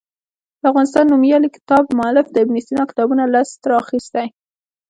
د افغانستان نومیالي کتاب مولف د ابن سینا کتابونو لست راخیستی.